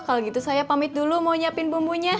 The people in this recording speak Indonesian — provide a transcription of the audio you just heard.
kalau gitu saya pamit dulu mau nyiapin bumbunya